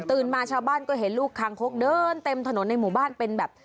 มาชาวบ้านก็เห็นลูกคางคกเดินเต็มถนนในหมู่บ้านเป็นแบบ